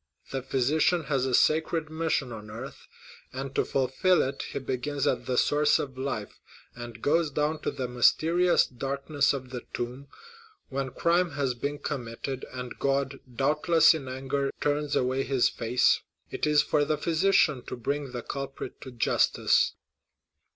The physician has a sacred mission on earth; and to fulfil it he begins at the source of life, and goes down to the mysterious darkness of the tomb. When crime has been committed, and God, doubtless in anger, turns away his face, it is for the physician to bring the culprit to justice."